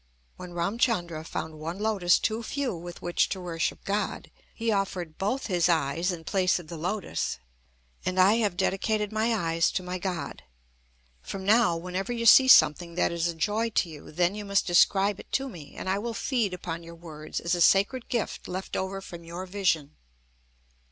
When Ramchandra found one lotus too few with which to worship God, he offered both his eyes in place of the lotus. And I hate dedicated my eyes to my God. From now, whenever you see something that is a joy to you, then you must describe it to me; and I will feed upon your words as a sacred gift left over from your vision."